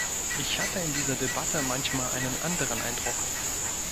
Ich hatte in dieser Debatte manchmal einen anderen Eindruck.